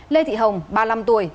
lê thị hồng ba mươi năm tuổi